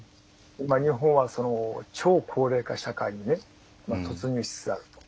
日本は、超高齢化社会に突入しつつあると。